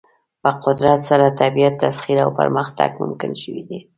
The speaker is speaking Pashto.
په قدرت سره طبیعت تسخیر او پرمختګ ممکن شوی دی.